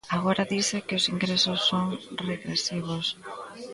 Agora dise que os ingresos son regresivos.